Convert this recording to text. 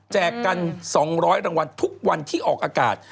กัน๒๐๐รางวัลทุกวันที่ออกอากาศ